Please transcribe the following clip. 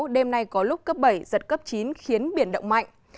đêm nay có lúc cấp bảy giật cấp chín khiến biển động mạnh